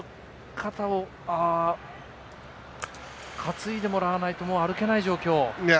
担いでもらわないと歩けない状況。